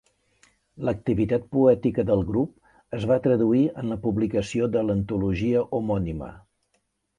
L’activitat poètica del grup es va traduir en la publicació de l'antologia homònima.